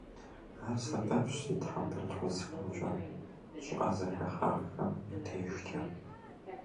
Ар сэбэпщ зи тхьэмбыл узхэмкӏэ, щӏыӏэ зыхыхьахэм я дежкӏэ.